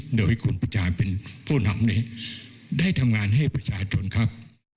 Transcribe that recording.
โดยคุณพิจารณ์เป็นผู้นำนี้ได้ทำงานให้ประชาชนครับ